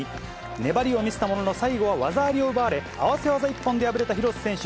粘りを見せたものの最後は技ありを奪われ、合わせ技一本で敗れた廣瀬選手。